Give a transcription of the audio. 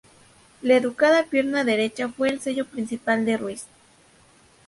La educada pierna derecha fue el sello principal de Ruiz.